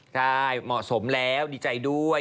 ใช่เหมาะสมแล้วดีใจด้วย